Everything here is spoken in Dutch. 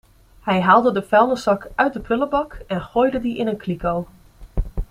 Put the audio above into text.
Hij haalde de vuilniszak uit de prullenbak en gooide die in een kliko.